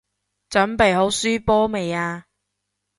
準備好輸波未啊？